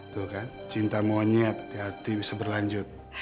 tuh kan cinta monyet hati hati bisa berlanjut